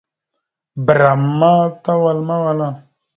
Bəram ma tawal mawala.